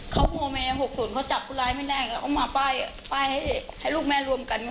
คุณแม่อยากให้ท่านตำรวจชี้แจง